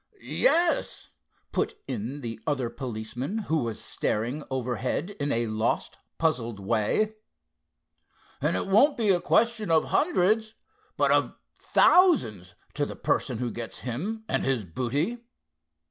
"Yes," put in the other policeman, who was staring overhead in a lost, puzzled way, "and it won't be a question of hundreds, but of thousands to the person who gets him and his booty."